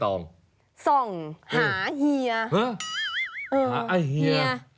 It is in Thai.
ส่องหาเฮียเหรอเฮียหาไอ้เฮีย